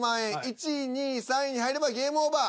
１位２位３位に入ればゲームオーバー。